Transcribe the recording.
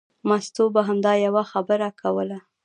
مستو به همدا یوه خبره کوله.